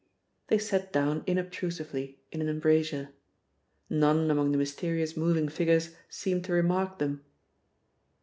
They sat down inobtrusively in an embrasure. None among the mysterious moving figures seemed to remark them.